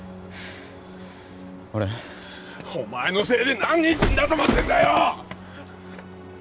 俺お前のせいで何人死んだと思ってんだよ！